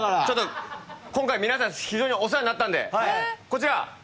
ちょっと今回皆さん非常にお世話になったんでこちら！